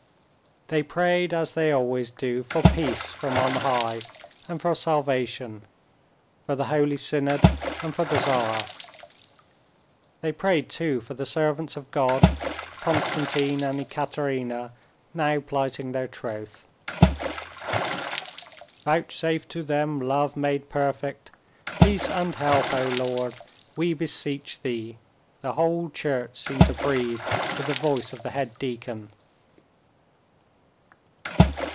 They prayed, as they always do, for peace from on high and for salvation, for the Holy Synod, and for the Tsar; they prayed, too, for the servants of God, Konstantin and Ekaterina, now plighting their troth. "Vouchsafe to them love made perfect, peace and help, O Lord, we beseech Thee," the whole church seemed to breathe with the voice of the head deacon.